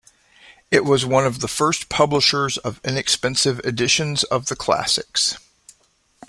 It was one of the first publishers of inexpensive editions of the classics.